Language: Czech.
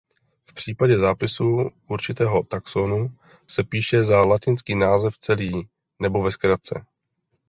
V případě zápisu určitého taxonu se píše za latinský název celý nebo ve zkratce.